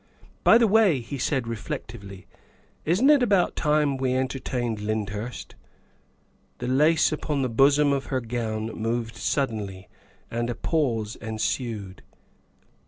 " By the way," he said reflectively, " isn't it about time we entertained Lyndhurst?" The lace upon the bosom of her gown moved suddenly and a pause ensued.